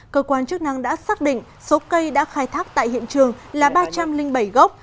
cơ quan chức năng đã xác định số cây đã khai thác tại hiện trường là ba trăm linh bảy gốc